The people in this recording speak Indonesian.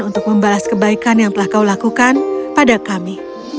untuk membalas kebaikan yang telah kau lakukan pada kami